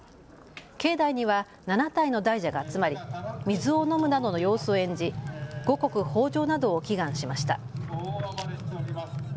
境内には７体の大蛇が集まり水を飲むなどの様子を演じ五穀豊じょうなどを祈願しました。